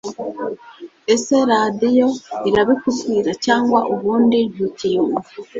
ese radio irabikubwira cg ubundi ntukiyumva